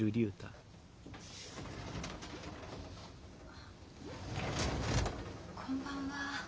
・あこんばんは。